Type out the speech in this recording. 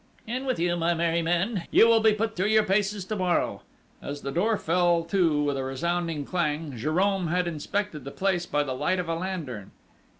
"In with you, my merry men! You will be put through your paces to morrow!" As the door fell to with a resounding clang, Jérôme had inspected the place by the light of a lantern.